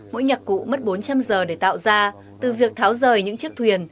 mỗi nhạc cụ mất bốn trăm linh giờ để tạo ra từ việc tháo rời những chiếc thuyền